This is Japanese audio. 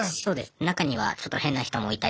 中にはちょっと変な人もいたりとかして。